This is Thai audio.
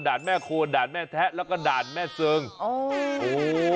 แม่โคนด่านแม่แทะแล้วก็ด่านแม่เซิงโอ้โห